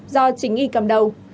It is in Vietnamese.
do chính y cầm đầu